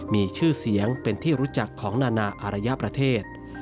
มีชื่อเสียงเป็นที่รู้จักของนานาอารยประเทศ